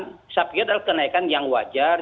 saya pikir adalah kenaikan yang wajar